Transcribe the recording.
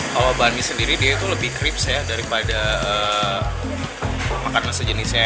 kalau banh mi sendiri dia itu lebih crisp daripada makanan sejenisnya